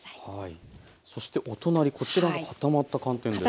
そしてお隣こちらが固まった寒天です。